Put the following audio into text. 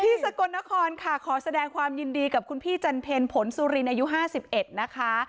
สกลนครค่ะขอแสดงความยินดีกับคุณพี่จันเพลผลสุรินอายุ๕๑นะคะ